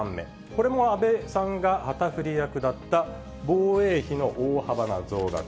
これも安倍さんが旗振り役だった防衛費の大幅な増額。